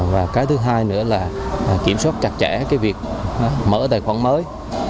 và cái thứ hai nữa là kiểm soát chặt chẽ cái việc mở tài khoản mới